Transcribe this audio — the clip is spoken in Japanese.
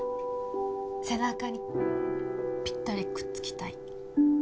背中にぴったりくっつきたいです。